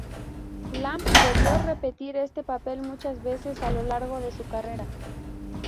Lam debió repetir este papel muchas veces a lo largo de su carrera.